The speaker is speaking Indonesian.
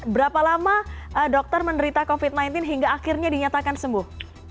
berapa lama dokter menderita covid sembilan belas hingga akhirnya dinyatakan sembuh